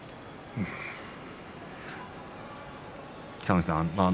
北の富士さん